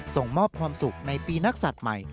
ส่งมอบความสุขในปีนักศัตริย์ใหม่